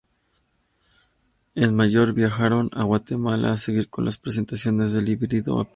En mayo viajaron a Guatemala para seguir con la presentación del "Híbrido a presión".